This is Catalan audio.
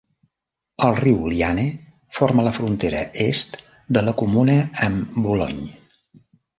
El riu Liane forma la frontera est de la comuna amb Boulogne.